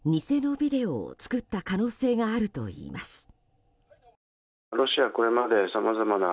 偽のビデオを作った可能性があるといいます。